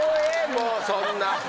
もうそんな。